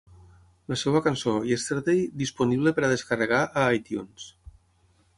La seva cançó "Yesterday", disponible per a descarregar a iTunes.